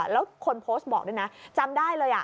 แล้วคนโพสต์บอกด้วยนะจำได้เลย